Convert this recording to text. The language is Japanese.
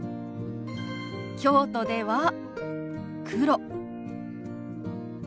京都では「黒」。